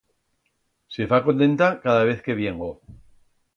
Se fa contenta cada vez que viengo.